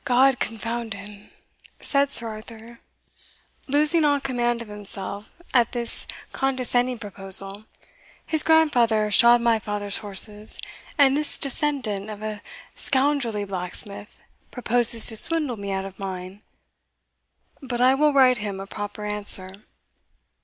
"G d confound him!" said Sir Arthur, losing all command of himself at this condescending proposal: "his grandfather shod my father's horses, and this descendant of a scoundrelly blacksmith proposes to swindle me out of mine! But I will write him a proper answer."